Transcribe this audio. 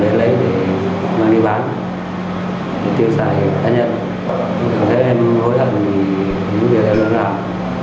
không thấy em hối hận thì những điều em đã làm